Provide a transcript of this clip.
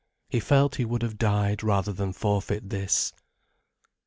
He felt he would have died rather than forfeit this.